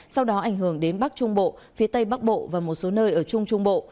sau đó ảnh hưởng đến bắc trung bộ phía tây bắc bộ và một số nơi ở trung trung bộ